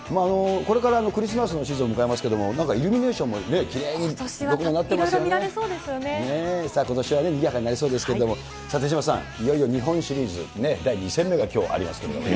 これからクリスマスのシーズンを迎えますけれども、なんかイルミネーションもきれいに、ことしはいろいろ見られそうさあことしはね、にぎやかになりそうですけど、さあ、手嶋さん、いよいよ日本シリーズ第２戦目がきょうありますけどね。